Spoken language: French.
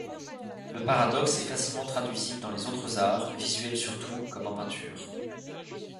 Le paradoxe est facilement traduisible dans les autres Arts, visuels surtout, comme en peinture.